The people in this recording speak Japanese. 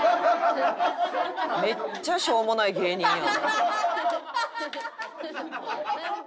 めっちゃしょうもない芸人やん。